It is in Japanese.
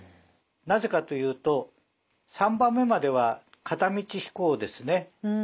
なぜかというと３番目までは片道飛行ですね。